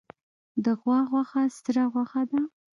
د غوا غوښه سره غوښه ده